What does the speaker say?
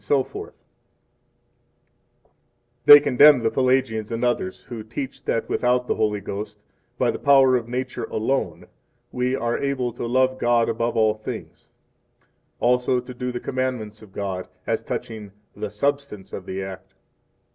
8 They condemn the Pelagians and others, who teach that without the Holy Ghost, by the power of nature alone, we are able to love God above all things; also to do the commandments of God as touching "the substance of the act."